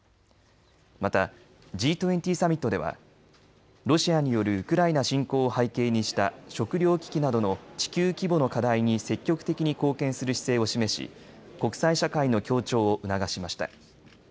またＧ２０サミットではロシアによるウクライナ侵攻を背景にした食料危機などの地球規模の課題に積極的に貢献する姿勢を示し国際社会の協調を促しました。